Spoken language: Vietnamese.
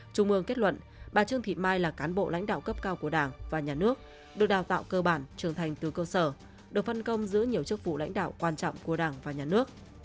trung ương kết luận bà trương thị mai là cán bộ lãnh đạo cấp cao của đảng và nhà nước được đào tạo cơ bản trưởng thành từ cơ sở được phân công giữ nhiều chức vụ lãnh đạo quan trọng của đảng và nhà nước